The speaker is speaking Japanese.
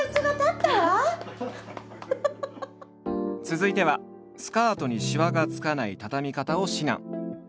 続いてはスカートにシワがつかないたたみ方を指南。